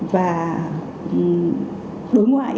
và đối ngoại